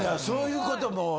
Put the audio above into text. そういうことも。